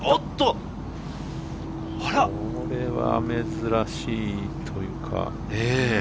これは珍しいというか。